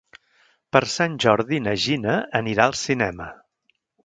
Per Sant Jordi na Gina anirà al cinema.